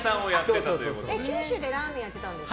九州でラーメンやってたんですか。